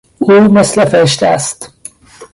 او مثل فرشته است.